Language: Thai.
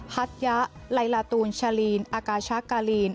ฮัทยะไลลาตูนชาลีนอากาชะกาลีน